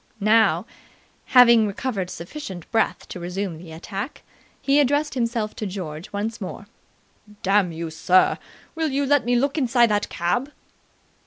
Now, having recovered sufficient breath to resume the attack, he addressed himself to George once more. "Damn you, sir, will you let me look inside that cab?"